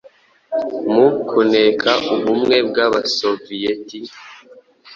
mu kuneka Ubumwe bw'Abasoviyeti